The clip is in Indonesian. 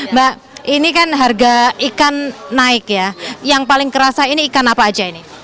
mbak ini kan harga ikan naik ya yang paling kerasa ini ikan apa aja ini